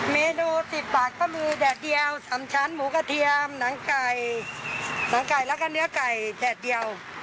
เมนู๑๐บาทก็มีแดดเดียว๓ชั้นหมูกระเทียมหนังไก่หนังไก่แล้วก็เนื้อไก่แดดเดียว